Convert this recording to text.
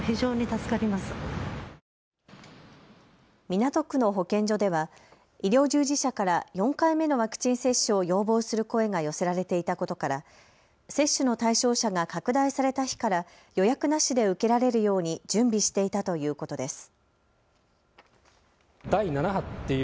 港区の保健所では医療従事者から４回目のワクチン接種を要望する声が寄せられていたことから接種の対象者が拡大された日から予約なしで受けられるように準備していたということです。